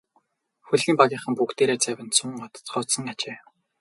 Хөлгийн багийнхан бүгдээрээ завинд суун одоцгоосон ажээ.